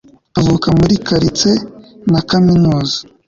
Avuka mu Kar tse na Kaminuza